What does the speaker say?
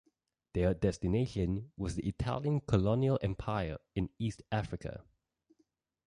Their destination was the Italian colonial empire in East Africa.